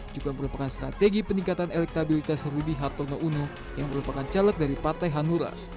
juga merupakan strategi peningkatan elektabilitas rudy hartono uno yang merupakan caleg dari partai hanura